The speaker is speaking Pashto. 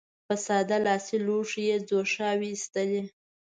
په ساده لاسي لوښو ځوښاوې اېستلې.